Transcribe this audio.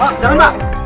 pak jangan pak